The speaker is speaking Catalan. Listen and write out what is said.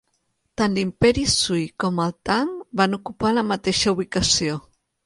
Tant l'imperi Sui com el Tang van ocupa la mateixa ubicació.